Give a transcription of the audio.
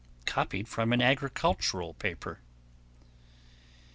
_Copied from an agricultural paper.